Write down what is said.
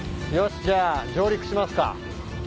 じゃあ上陸しますか。